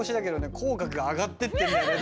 口角が上がってってるんだけど。